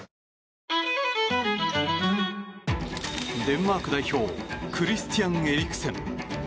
デンマーク代表クリスティアン・エリクセン。